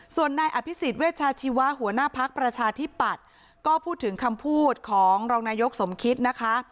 ส่วนนายอภิษฎเวชาชีวะหัวหน้าพักประชาธิปัตย์ก็พูดถึงคำพูดของรองนายกสมคิดนะคะ